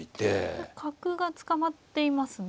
これ角が捕まっていますね。